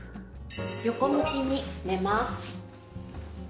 横向きに寝ます。